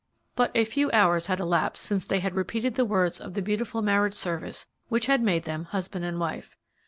But a few hours had elapsed since they had repeated the words of the beautiful marriage service which had made them husband and wife.